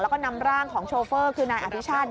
แล้วก็นำร่างของโชเฟอร์คือนายอภิชาติ